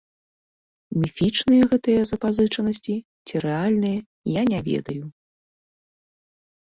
Міфічныя гэтыя запазычанасці ці рэальныя, я не ведаю.